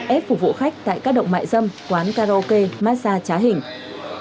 ép phục vụ khách tại các động mại dâm quán karaoke massage trá hình